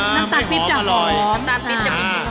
น้ำตาลปีบจะอร่อย